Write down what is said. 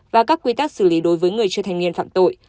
và các quy tắc xử lý đối với người chưa thành niên phạm tội